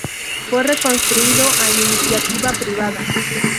Fue reconstruido a iniciativa privada.